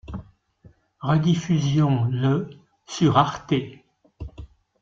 Rediffusion le sur Arte.